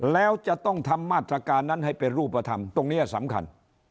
แล้วจะต้องทำมาตรการนั้นให้เป็นรูปธรรมตรงนี้สำคัญ